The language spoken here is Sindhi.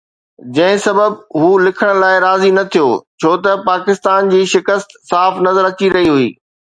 جنهن سبب هو لکڻ لاءِ راضي نه ٿيو ڇو ته پاڪستان جي شڪست صاف نظر اچي رهي هئي.